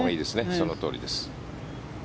そのとおりです。